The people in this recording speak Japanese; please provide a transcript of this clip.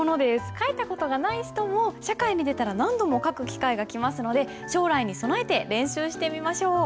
書いた事がない人も社会に出たら何度も書く機会が来ますので将来に備えて練習してみましょう。